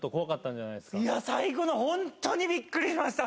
最後の本当にビックリしました。